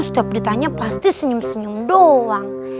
setiap beritanya pasti senyum senyum doang